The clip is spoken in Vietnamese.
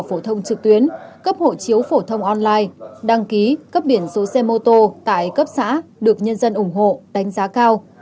phổ thông trực tuyến cấp hộ chiếu phổ thông online đăng ký cấp biển số xe mô tô tại cấp xã được nhân dân ủng hộ đánh giá cao